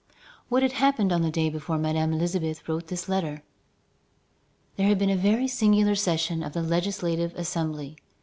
What had happened on the day before Madame Elisabeth wrote this letter? There had been a very singular session of the Legislative Assembly.